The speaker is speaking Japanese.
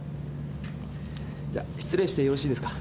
じゃあ失礼してよろしいですか？